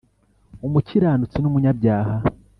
Umukiranutsi numunyabyaha